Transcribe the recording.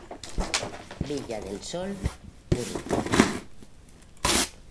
Villa del Sol, Urb.